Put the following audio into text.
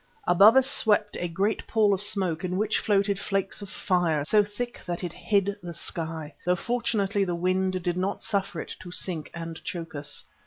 Above us swept a great pall of smoke in which floated flakes of fire, so thick that it hid the sky, though fortunately the wind did not suffer it to sink and choke us.